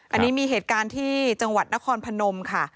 อันนี้มีเหตุการณ์ที่จังหวัดนครพนมค่ะ